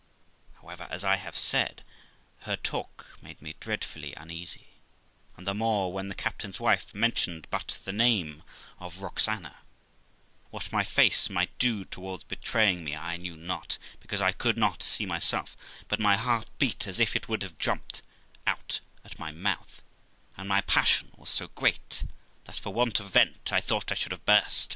However, as I have said, her talk made me dreadfully uneasy, and the more when the captain's wife mentioned but the name of Roxana. What my face might do towards betraying me I knew not, because I could not see myself, but my heart beat as if it would have jumped out at my mouth, and my passion was so great, that, for want of vent, I thought I should have burst.